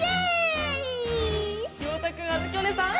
ようたくんあづきおねえさん